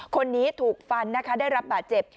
คนนี้ถูกฟันนะคะได้รับบาดเจ็บ